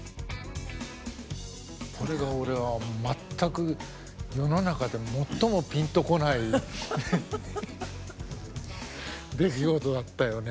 これが俺は全く世の中で最もピンとこない出来事だったよね。